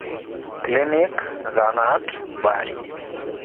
A. klinik B. zahanat C. wadi